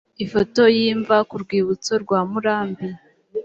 ifoto y imva ku rwibutso rwa murambi